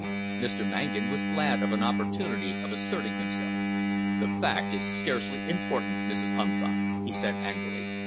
Mr. Mangan was glad of an opportunity of asserting himself. "The fact is scarcely important, Mrs. Unthank," he said angrily.